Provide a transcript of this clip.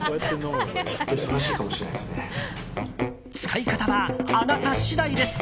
使い方はあなた次第です。